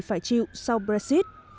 phải chịu sau brexit